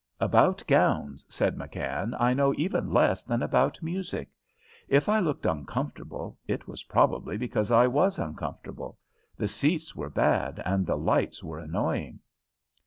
"About gowns," said McKann, "I know even less than about music. If I looked uncomfortable, it was probably because I was uncomfortable. The seats were bad and the lights were annoying."